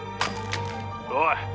おい！